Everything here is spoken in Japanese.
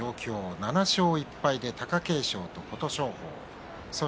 ７勝１敗で貴景勝と琴勝峰です。